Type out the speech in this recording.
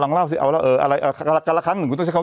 ลองเล่าสิเอาแล้วเอออะไรเอ่อกันละครั้งหนึ่งกูต้องใช้เขา